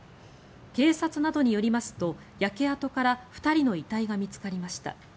警察などによりますと焼け跡から２人の遺体が見つかりました。